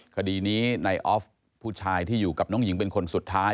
คดีนี้ในออฟผู้ชายที่อยู่กับน้องหญิงเป็นคนสุดท้าย